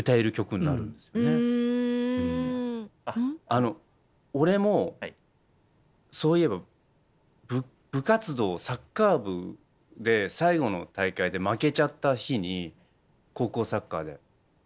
あの俺もそういえば部活動サッカー部で最後の大会で負けちゃった日に高校サッカーで。